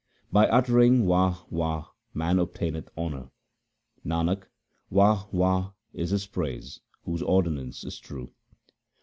By uttering Wah ! Wah ! man obtaineth honour. Nanak, Wah ! Wah ! is His praise whose ordinance is true.